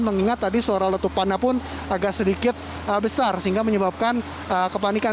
dan mengingat tadi suara letupannya pun agak sedikit besar sehingga menyebabkan kepanikan